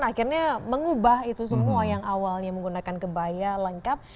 akhirnya mengubah itu semua yang awalnya menggunakan kebaya lengkap